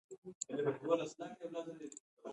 بزګان د افغانانو د ګټورتیا برخه ده.